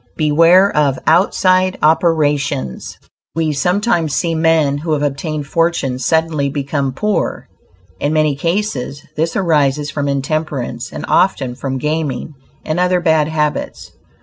BEWARE OF "OUTSIDE OPERATIONS" We sometimes see men who have obtained fortunes, suddenly become poor. In many cases, this arises from intemperance, and often from gaming, and other bad habits.